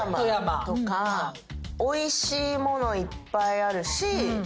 おいしい物いっぱいあるし。